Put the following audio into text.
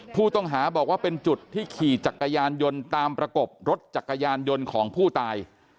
ผู้ต้องหาบอกว่าเป็นจุดที่ขี่จักรยานยนต์ตามประกบรถจักรยานยนต์ของผู้ตาย